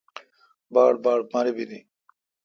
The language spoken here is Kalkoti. باڑباڑ مربینی ۔